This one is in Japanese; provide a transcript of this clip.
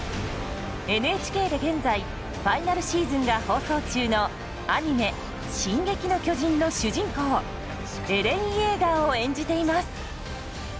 ＮＨＫで現在ファイナルシーズンが放送中のアニメ「進撃の巨人」の主人公エレン・イェーガーを演じています。